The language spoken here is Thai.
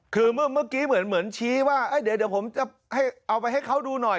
คือเมื่อเมื่อกี้เหมือนเหมือนชี้ว่าไอ้เดี๋ยวเดี๋ยวผมจะให้เอาไปให้เขาดูหน่อย